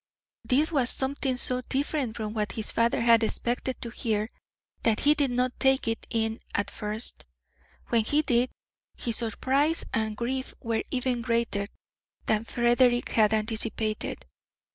This was something so different from what his father had expected to hear, that he did not take it in at first. When he did, his surprise and grief were even greater than Frederick had anticipated.